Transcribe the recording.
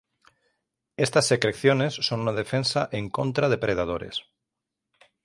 Estas secreciones son una defensa en contra de predadores.